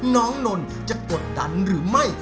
นนท์จะกดดันหรือไม่